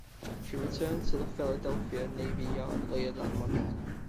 She returned to the Philadelphia Navy Yard later that month.